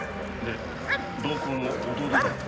同行の弟殿は？